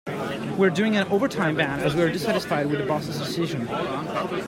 We are doing an overtime ban as we are dissatisfied with the boss' decisions.